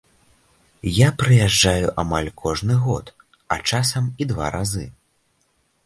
Я прыязджаю амаль кожны год, а часам і два разы.